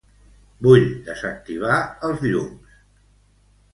Vull desactivar els llums.